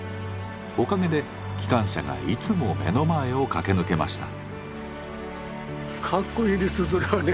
おかげで機関車がいつも目の前を駆け抜けました。